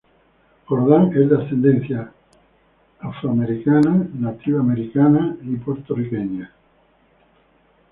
Jordan es de ascendencia afroamericana, nativa americana y puertorriqueña.